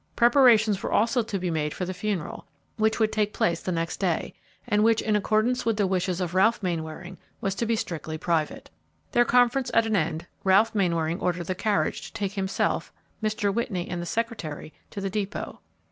Preparations were also to be made for the funeral, which would take place the next day, and which, in accordance with the wishes of Ralph Mainwaring, was to be strictly private. Their conference at an end, Ralph Mainwaring ordered the carriage to take himself, Mr. Whitney, and the secretary to the depot.